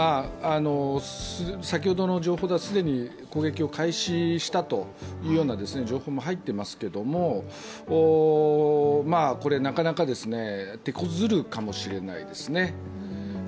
先ほどの情報では、既に攻撃を開始したというような情報も入っていますけれども、これ、なかなか手こずるかもしれないですね。